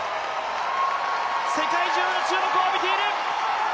世界中の注目を浴びている！